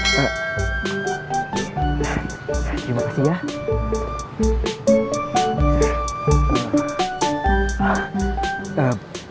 terima kasih ya